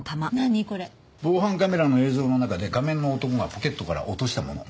防犯カメラの映像の中で仮面の男がポケットから落としたもの。